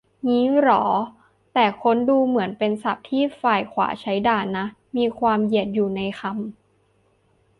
งี้เหรอ แต่ค้นดูเหมือนเป็นศัพท์ที่ฝ่ายขวาใช้ด่านะ มีความเหยียดอยู่ในคำ - -